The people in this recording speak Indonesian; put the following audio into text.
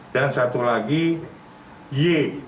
dan satu lagi y